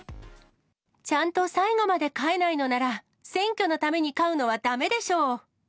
ちゃんと最後まで飼えないのなら、選挙のために飼うのはだめでしょう。